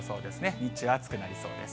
日中、暑くなりそうです。